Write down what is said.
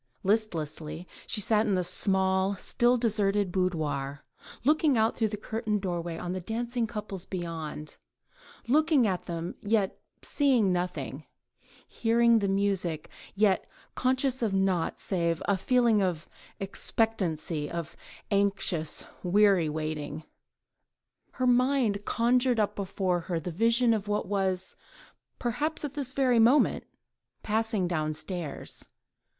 Listlessly she sat in the small, still deserted boudoir, looking out through the curtained doorway on the dancing couples beyond: looking at them, yet seeing nothing, hearing the music, yet conscious of naught save a feeling of expectancy, of anxious, weary waiting. Her mind conjured up before her the vision of what was, perhaps at this very moment, passing downstairs.